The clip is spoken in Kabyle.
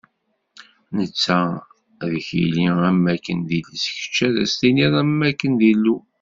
Netta ad k-yili am wakken d iles, kečč ad s-tiliḍ am wakken d Illu.